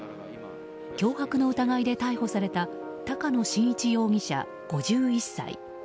脅迫の疑いで逮捕された高野伸一容疑者、５１歳。